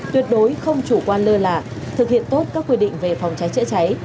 tuyệt đối không chủ quan lơ là thực hiện tốt các quy định về phòng cháy chữa cháy